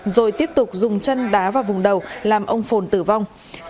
rồi tiếp tục dùng chân đá vào vùng đầu làm ông phồn tử vong